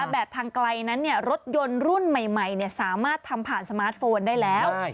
ทางไกลนั้นรถยนต์รุ่นใหม่สามารถทำผ่านสมาร์ทโฟนได้แล้ว